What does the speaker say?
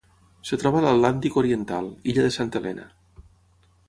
Es troba a l'Atlàntic oriental: illa de Santa Helena.